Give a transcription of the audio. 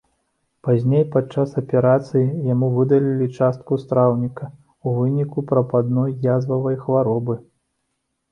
Пазней падчас аперацыі яму выдалілі частку страўніка ў выніку прабадной язвавай хваробы.